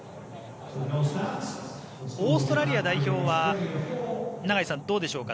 オーストラリア代表は永井さん、どうでしょうか。